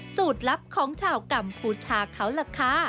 สูตรลับของชาวกัมพูชาเขาล่ะค่ะ